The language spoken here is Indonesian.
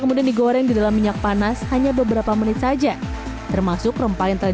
kemudian digoreng di dalam minyak panas hanya beberapa menit saja termasuk rempah yang telah